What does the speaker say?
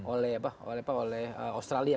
oleh apa oleh australia